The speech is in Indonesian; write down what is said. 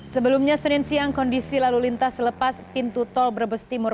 sebelumnya senin siang kondisi lalu lintas selepas pintu tol brebes timur